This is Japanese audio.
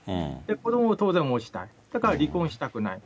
子どもも当然持ちたい、だから離婚したくない。